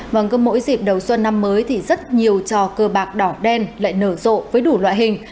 vâng cứ mỗi dịp đầu xuân năm mới thì rất nhiều trò cờ bạc đỏ đen lại nở rộ với đủ loại hình